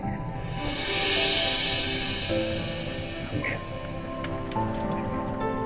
dengar kita bangga